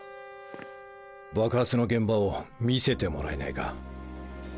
爆発の現場を見せてもらえないか？